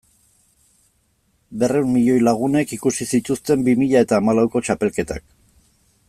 Berrehun milioi lagunek ikusi zituzten bi mila eta hamalauko txapelketak.